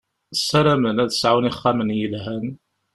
Saramen ad sɛun ixxamen yelhan.